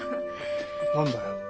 何だよ？